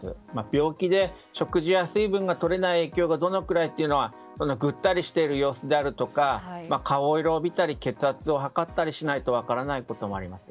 病気で食事や水分が取れないどのくらいというのはぐったりしている様子であるとか顔色を見たり血圧を測ったりしないと分からないこともあります。